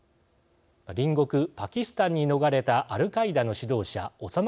隣国パキスタンに逃れたアルカイダの指導者オサマ